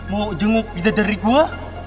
mau jenguk kita dari gue